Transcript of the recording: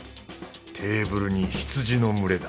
テーブルに羊の群れだ